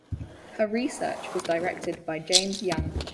Her research was directed by James Young.